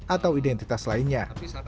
atau identitas lainnya